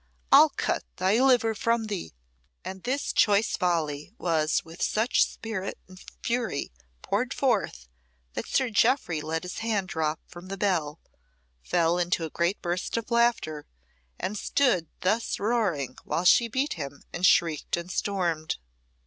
I'll cut thy liver from thee! Damn thy soul to hell!" And this choice volley was with such spirit and fury poured forth, that Sir Jeoffry let his hand drop from the bell, fell into a great burst of laughter, and stood thus roaring while she beat him and shrieked and stormed.